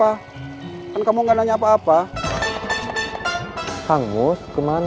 aku keluar dari rumah